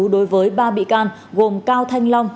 đối với ba bị can gồm cao thanh long